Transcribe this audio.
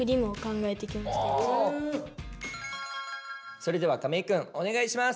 それでは亀井くんお願いします。